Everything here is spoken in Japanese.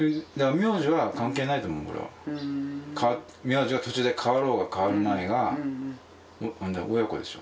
名字が途中で変わろうが変わるまいが親子でしょだって。